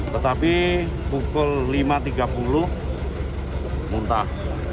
tetapi pukul lima tiga puluh muntah